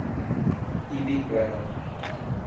Ibiquera